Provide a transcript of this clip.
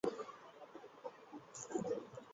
যা বলেছি তা করো হেই!